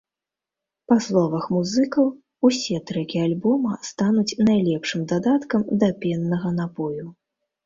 Па словах музыкаў, усе трэкі альбома стануць найлепшым дадаткам да пеннага напою.